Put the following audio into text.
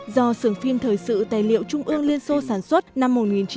do sưởng phim thời sự tài liệu trung ương liên xô sản xuất năm một nghìn chín trăm bảy mươi